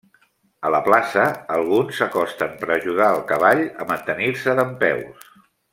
A la plaça, alguns s'acosten per ajudar al cavall a mantenir-se dempeus.